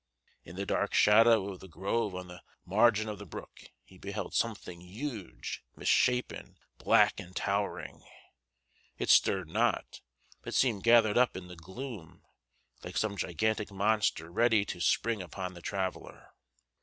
In the dark shadow of the grove on the margin of the brook he beheld something huge, misshapen, black, and towering. It stirred not, but seemed gathered up in the gloom, like some gigantic monster ready to spring upon the traveller.